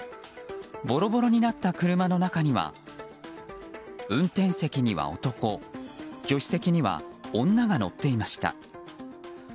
ボロボロになった車の中には運転席には男助手席には女が乗っていました。